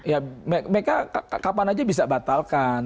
ya mereka kapan aja bisa batalkan